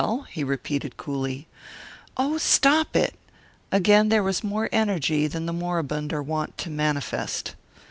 he repeated coolly. "Oh, stop it!" Again there was more energy than the moribund are wont to manifest.